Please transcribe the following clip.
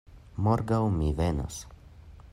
Morgaŭ mi venos.